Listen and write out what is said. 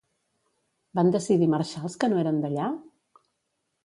Van decidir marxar els que no eren d'allà?